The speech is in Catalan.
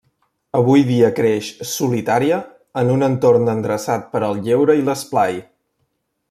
Avui dia creix, solitària, en un entorn endreçat per al lleure i l'esplai.